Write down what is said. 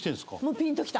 ピンときた。